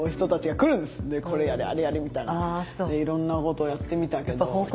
いろんなことやってみたけど。